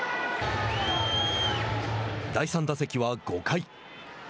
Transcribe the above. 第３打席は５回。